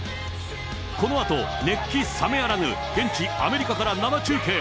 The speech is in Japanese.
このあと、熱気冷めやらぬ現地、アメリカから生中継。